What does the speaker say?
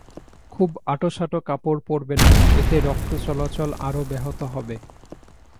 খুব আঁটোসাঁটো কাপড় পরবেন না, এতে রক্ত চলাচল আরও ব্যাহত হবে।